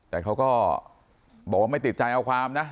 แต่เขาก็บอกว่าไม่ติดใจเอาความนะ